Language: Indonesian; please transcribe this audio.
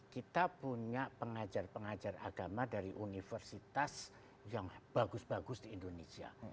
kita punya pengajar pengajar agama dari universitas yang bagus bagus di indonesia